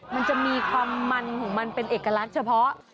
มันจะมีความมันของมันเป็นเอกลักษณ์เฉพาะ